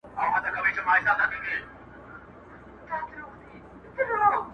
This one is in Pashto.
o د پيشي چي نفس تنگ سي، د زمري جنگ کوي!